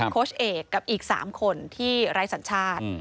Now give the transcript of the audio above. โค้ชเอกกับอีก๓คนที่ไร้สัญชาติ